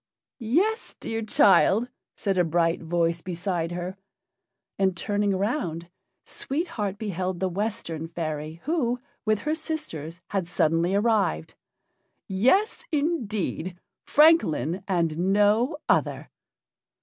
"Yes, dear child," said a bright voice beside her; and, turning round, Sweet Heart beheld the Western fairy, who, with her sisters, had suddenly arrived. "Yes, indeed! Francolin, and no other!"